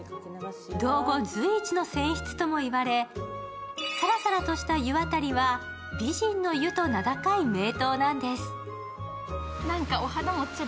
道後随一の泉質とも言われさらさらとした湯あたりは美人の湯と名高い名湯なんです。